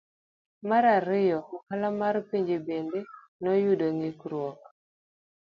Mar ariyo, ohala mar pinje bende noyudo ng'ikruok.